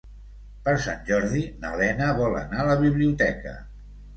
Per Sant Jordi na Lena vol anar a la biblioteca.